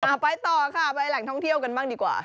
ไปต่อค่ะไปแหล่งท่องเที่ยวกันบ้างดีกว่า